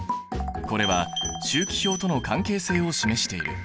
これは周期表との関係性を示している。